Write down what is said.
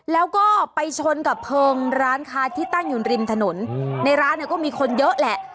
แล้วก็ไปชนกับเพลิงร้านค้าที่ตั้งอยู่ริมถนนในร้านเนี่ยก็มีคนเยอะแหละ